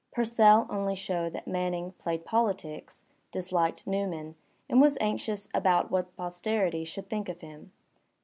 Pureell only showed that Manning played politics^ disliked Newman, and was anxious about what posterity should think of him.